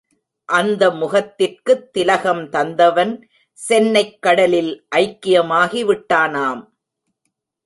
அந்த முகத்திற்குத் திலகம் தந்தவன் சென்னைக் கடலில் ஐக்கியமாகி விட்டானாம்!